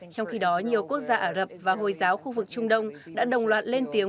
trong khi đó nhiều quốc gia ả rập và hồi giáo khu vực trung đông đã đồng loạt lên tiếng